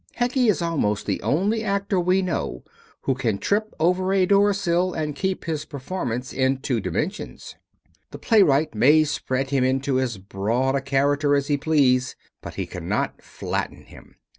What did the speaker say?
Heggie is almost the only actor we know who can trip over a door sill and keep his performance in two dimensions. The playwright may spread him into as broad a character as you please, but he cannot flatten him.